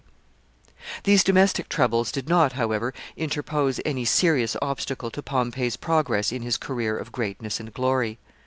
"] These domestic troubles did not, however, interpose any serious obstacle to Pompey's progress in his career of greatness and glory.